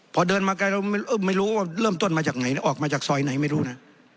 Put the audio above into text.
พอเดินมาไกลเราไม่รู้ว่าเริ่มต้นมาจากไหนแล้วออกมาจากซอยไหนไม่รู้นะ